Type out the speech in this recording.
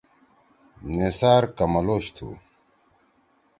نثار کَمَلوش تُھو۔